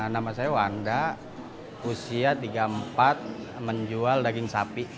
nama saya wanda usia tiga puluh empat menjual daging sapi